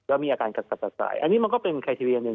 อาการตัดสะสายอันนี้มันก็เป็นไคเทียนหนึ่ง